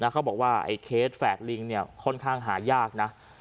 เขาบอกว่าเคสแฝดลิงเนี่ยค่อนข้างหายากนะ